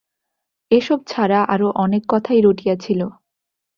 এসব ছাড়া আরও অনেক কথাই রটিয়াছিল।